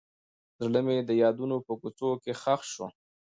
زړه مې د یادونو په کوڅو کې ښخ شو.